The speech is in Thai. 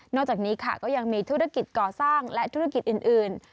จากนี้ค่ะก็ยังมีธุรกิจก่อสร้างและธุรกิจอื่น